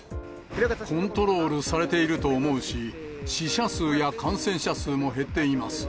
コントロールされていると思うし、死者数や感染者数も減っています。